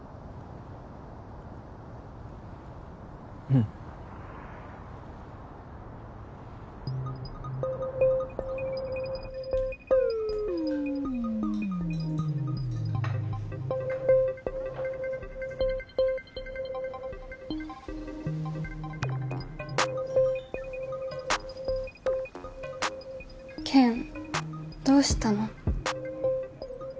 うん健どうしたの？